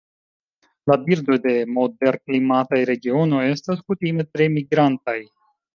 La birdoj de moderklimataj regionoj estas kutime tre migrantaj.